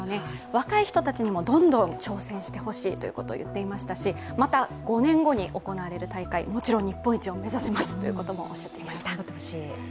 若い人たちにもどんどん挑戦してほしいと言っていましたしまた５年後に行われる大会、もちろん日本一を目指しますとおっしゃっていました。